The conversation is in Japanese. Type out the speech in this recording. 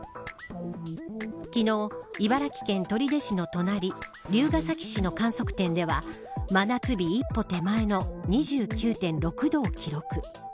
昨日、茨城県取手市の隣龍ケ崎市の観測点では真夏日一歩手前の２９．６度を記録。